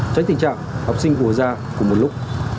tránh tình trạng học sinh bù ra cùng một lúc